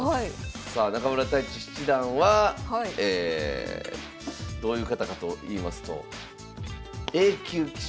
さあ中村太地七段はどういう方かといいますとＡ級棋士。